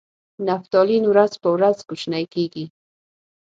نفتالین ورځ په ورځ کوچنۍ کیږي.